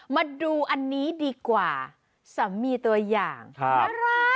มาดูอันนี้ดีกว่าสามีตัวอย่างน่ารัก